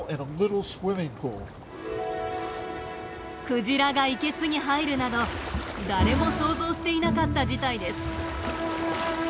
クジラが生けすに入るなど誰も想像していなかった事態です。